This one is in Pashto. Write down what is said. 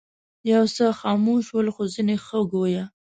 یو څه خموش ول خو ځینې ښه ګویا.